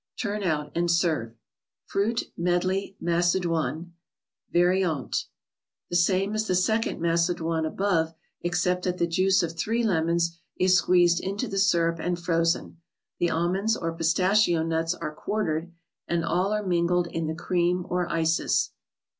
Turn out and serve. fruit Healey ^acctiotne (i&arfi The same as t ^ ie secon d Macedoine above, ex ' cept that the juice of three lemons is squeezed into the syrup and frozen ; the almonds, or pistachio nuts are quartered, and all are mingled in the cream or ices.